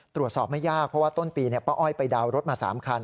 ตรวจสอบไม่ยากเพราะว่าต้นปีป้าอ้อยไปดาวนรถมา๓คัน